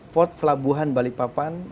fort pelabuhan balikpapan